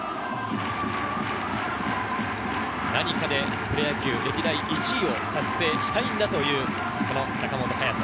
何かでプロ野球歴代１位を達成したいんだという坂本勇人。